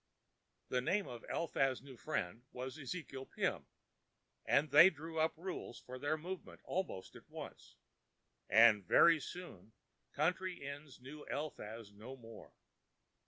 The name of Eliphaz's new friend was Ezekiel Pim: and they drew up rules for their Movement almost at once; and very soon country inns knew Eliphaz no more.